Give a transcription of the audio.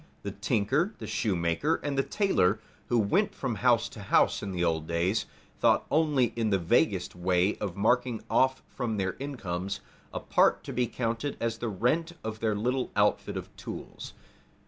The tinker, the shoemaker, and the tailor, who went from house to house in the old days, thought only in the vaguest way of marking off from their incomes a part to be counted as the rent of their little outfit of tools.